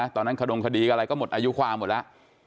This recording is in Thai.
ขดงคดีอะไรก็หมดอายุความหมดแล้ว